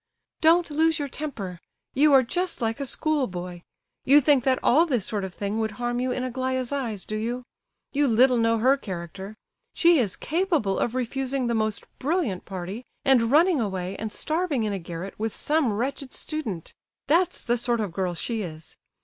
"Don't lose your temper. You are just like a schoolboy. You think that all this sort of thing would harm you in Aglaya's eyes, do you? You little know her character. She is capable of refusing the most brilliant party, and running away and starving in a garret with some wretched student; that's the sort of girl she is.